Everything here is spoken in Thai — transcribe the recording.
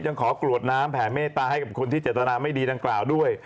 ขอกรวดน้ำแผ่เมตตาให้กับคนที่เจตนาไม่ดีดังกล่าวด้วย